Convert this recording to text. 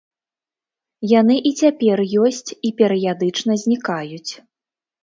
Яны і цяпер ёсць і перыядычна знікаюць.